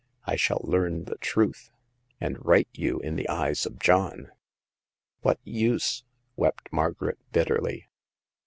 I shall learn the truth, and right you in the eyes of John." What use ?" wept Margaret, bitterly.